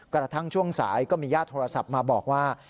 กระทั่งช่วงสายก็มีญาติโทรศัพท์มาบอกว่า